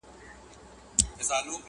o غوړي لا غوړ٫